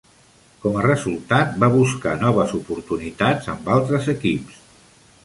Com a resultat, va buscar noves oportunitats amb altres equips.